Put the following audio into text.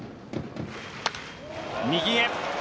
右へ。